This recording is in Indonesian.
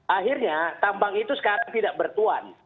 akhirnya tambang itu sekarang tidak bertuan